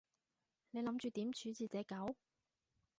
你諗住點處置隻狗？